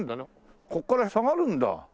ここから下がるんだ。